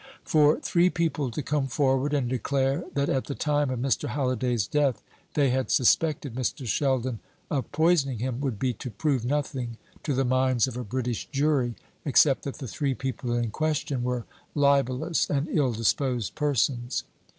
For three people to come forward and declare that at the time of Mr. Halliday's death they had suspected Mr. Sheldon of poisoning him, would be to prove nothing to the minds of a British jury, except that the three people in question were libellous and ill disposed persons.